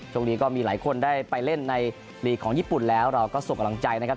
ช่วงนี้ก็มีหลายคนได้ไปเล่นในลีกของญี่ปุ่นแล้วเราก็ส่งกำลังใจนะครับ